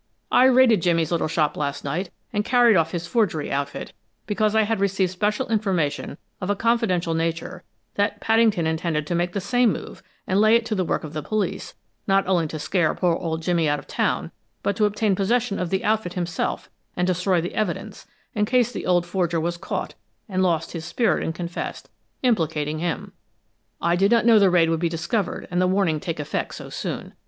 I raided Jimmy's little shop last night and carried off his forgery outfit because I had received special information of a confidential nature that Paddington intended to make the same move and lay it to the work of the police, not only to scare poor old Jimmy out of town, but to obtain possession of the outfit himself and destroy the evidence, in case the old forger was caught and lost his spirit and confessed, implicating him. I did not know the raid would be discovered and the warning take effect so soon.